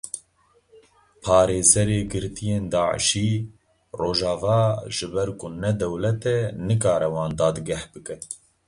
Parêzerê girtiyên Daişî; Rojava ji ber ku ne dewlet e nikare wan dadgeh bike.